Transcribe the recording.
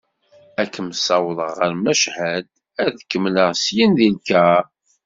Ad kem-ssawḍeɣ ɣer Machad ad tkemmleḍ syen deg lkaṛ.